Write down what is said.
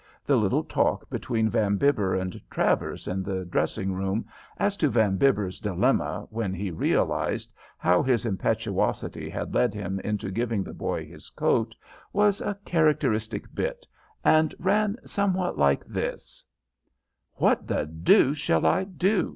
The little talk between Van Bibber and Travers in the dressing room as to Van Bibber's dilemma when he realized how his impetuosity had led him into giving the boy his coat was a characteristic bit, and ran somewhat like this: "'What the deuce shall I do?"